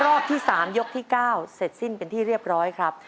รอบที่๓ยกที่๙เสร็จสิ้นเป็นที่เรียบร้อยครับ